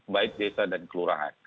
baik desa dan kelurahan